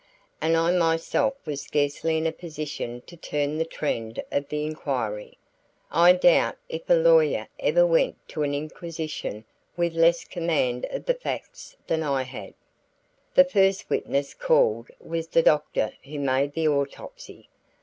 And I myself was scarcely in a position to turn the trend of the inquiry; I doubt if a lawyer ever went to an inquisition with less command of the facts than I had. The first witness called was the doctor who made the autopsy.